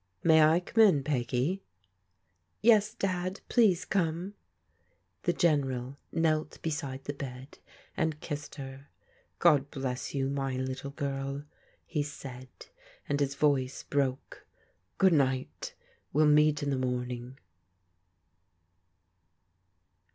" May I come in, Peggy?" " Yes, Dad ; please come.'* The General knelt beside the bed and kissed her. " God bless you, my little girl," he said, and his voice broke. " Good night, we'll meet in the morning.